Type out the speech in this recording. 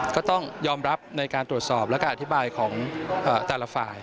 ก็ต้องยอมรับในการตรวจสอบและการอธิบายของแต่ละฝ่าย